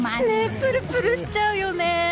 プルプルしちゃうよね。